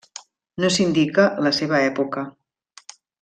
No s'indica la seva època.